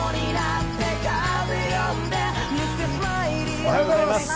おはようございます。